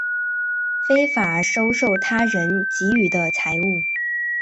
非法收受他人给予的财物